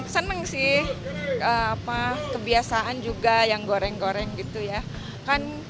seneng sih kebiasaan juga yang goreng goreng gitu ya